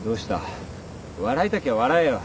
笑いたきゃ笑えよ。